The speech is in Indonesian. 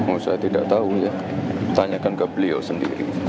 oh saya tidak tahu ya tanyakan ke beliau sendiri